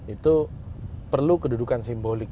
itu perlu kedudukan simbolik